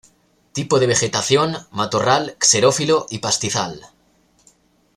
Tipo de vegetación, matorral xerófilo y pastizal.